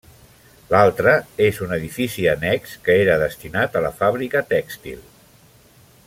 L'altra és un edifici annex que era destinat a la fàbrica tèxtil.